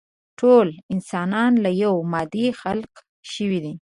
ټول انسانان له يوې مادې خلق شوي.